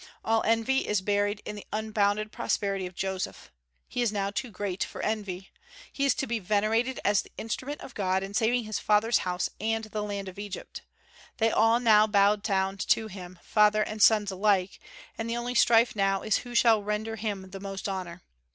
All envy is buried in the unbounded prosperity of Joseph. He is now too great for envy. He is to be venerated as the instrument of God in saving his father's house and the land of Egypt. They all now bow down to him, father and sons alike, and the only strife now is who shall render him the most honor.